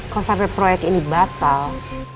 kok sampai proyek ini batal